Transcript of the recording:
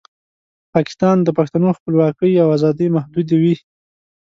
پاکستان د پښتنو خپلواکۍ او ازادۍ محدودوي.